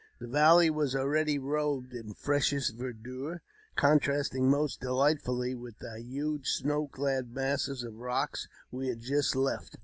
The valley was already robed in freshest verdure, contrasting most delightfully with the huge snow clad masses of rock we had just left.